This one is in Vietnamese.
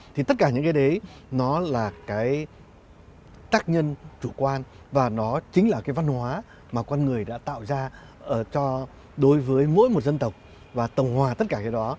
thì tất cả những cái đấy nó là cái tác nhân chủ quan và nó chính là cái văn hóa mà con người đã tạo ra đối với mỗi một dân tộc và tổng hòa tất cả cái đó